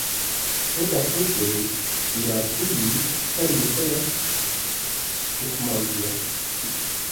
Toza peyvên mirarbûyî termê te nixumandiye.